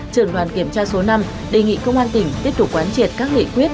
trường đoàn kiểm tra số năm đề nghị công an tỉnh tiếp tục quán triệt các nghị quyết